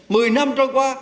mười năm trôi qua